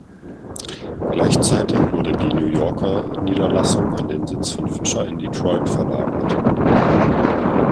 Gleichzeitig wurde die New Yorker Niederlassung an den Sitz von Fisher in Detroit verlagert.